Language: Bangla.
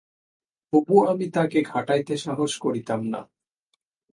তবু আমি তাকে ঘাঁটাইতে সাহস করিতাম না।